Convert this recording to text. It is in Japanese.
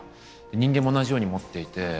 人間も同じように持っていて。